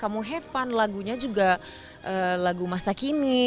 kamu hebat lagunya juga lagu masa kini